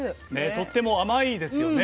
とっても甘いですよね。